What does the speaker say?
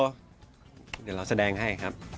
เดี๋ยวเราแสดงให้ครับ